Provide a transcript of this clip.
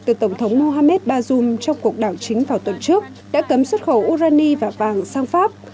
từ tổng thống mohamed bazoum trong cuộc đảo chính vào tuần trước đã cấm xuất khẩu urani và vàng sang pháp